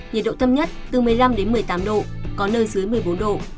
nhiệt độ thấp nhất từ một mươi năm đến một mươi tám độ có nơi dưới một mươi bốn độ